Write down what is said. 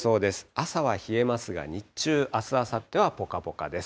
朝は冷えますが、日中、あす、あさってはぽかぽかです。